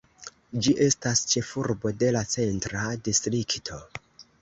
Ĝi estas ĉefurbo de la Centra distrikto.